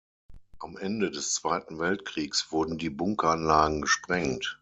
Am Ende des Zweiten Weltkriegs wurden die Bunkeranlagen gesprengt.